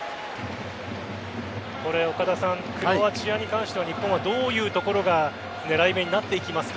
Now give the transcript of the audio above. クロアチアに関しては日本はどういうところが狙い目になっていきますか？